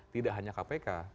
tidak hanya kpk